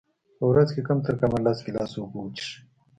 په ورځ کي کم ترکمه لس ګیلاسه اوبه وچیښئ